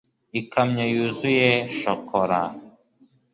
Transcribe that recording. Ikamyo yuzuye shokora